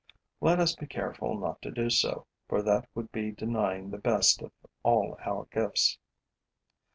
Let us be careful not to do so, for that would be denying the best of all our gifts.